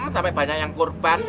sampai banyak yang kurban